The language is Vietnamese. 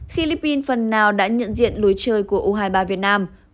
philippines phần nào đã nhận diện lối chơi của u hai mươi ba việt nam